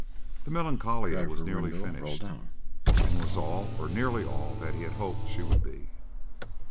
The Melancolia was nearly finished, and was all or nearly all that he had hoped she would be.